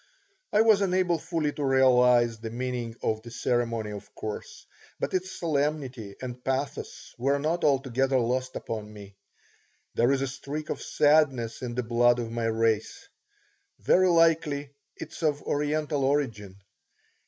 I was unable fully to realize the meaning of the ceremony, of course, but its solemnity and pathos were not altogether lost upon me. There is a streak of sadness in the blood of my race. Very likely it is of Oriental origin.